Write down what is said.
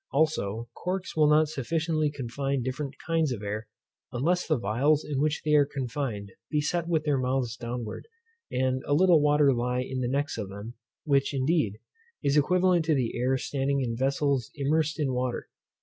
Also corks will not sufficiently confine different kinds of air, unless the phials in which they are confined be set with their mouths downwards, and a little water lie in the necks of them, which, indeed, is equivalent to the air standing in vessels immersed in water.